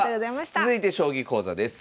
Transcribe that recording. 続いて将棋講座です。